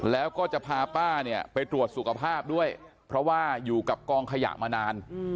แล้วก็จะพาป้าเนี่ยไปตรวจสุขภาพด้วยเพราะว่าอยู่กับกองขยะมานาน